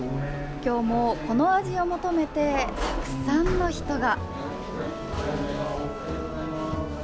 今日もこの味を求めてたくさんの人が。